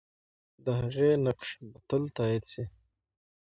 د هغې نقش به تل تایید سي.